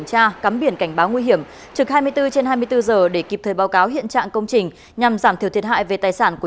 vâng thưa quý vị